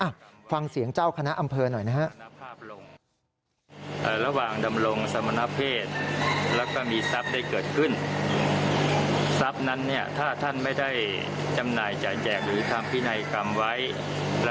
ฟังเสียงเจ้าคณะอำเภอหน่อยนะครับ